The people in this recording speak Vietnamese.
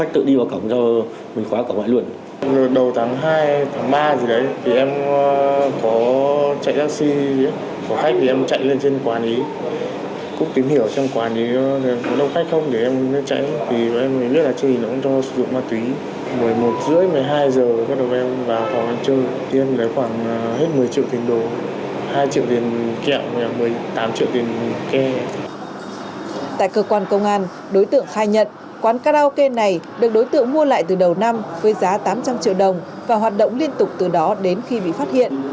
tại cơ quan công an đối tượng khai nhận quán karaoke này được đối tượng mua lại từ đầu năm với giá tám trăm linh triệu đồng và hoạt động liên tục từ đó đến khi bị phát hiện